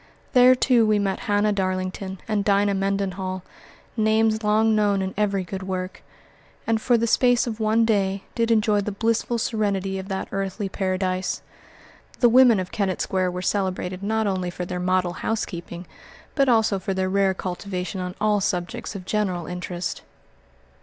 There, too, we met Hannah Darlington and Dinah Mendenhall, names long known in every good work, and, for the space of one day, did enjoy the blissful serenity of that earthly paradise. The women of Kennett Square were celebrated not only for their model housekeeping but also for their rare cultivation on all subjects of general interest.